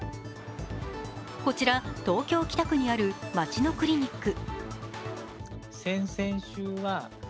こちら東京・北区にある街のクリニック。